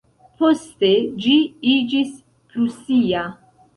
Poste ĝi iĝis prusia.